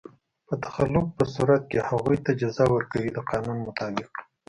په تخلف په صورت کې هغوی ته جزا ورکوي د قانون مطابق.